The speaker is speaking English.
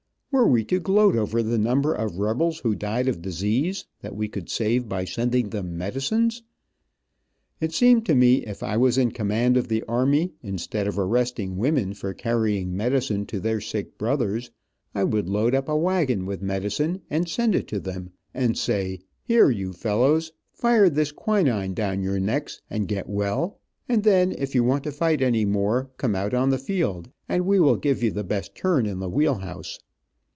Were we to gloat over the number of rebels who died of disease, that we could save by sending them medicines? It seemed to me, if I was in command of the army, instead of arresting women for carrying medicine to their sick brothers, I would load up a wagon with medicine and send it to them, and say, "Here, you fellows, fire this quinine down your necks, and get well, and then if you want to fight any more, come out on the field and we will give you the best turn in the wheel house."